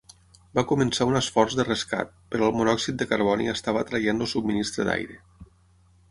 Va començar un esforç de rescat, però el monòxid de carboni estava traient el subministre d"aire.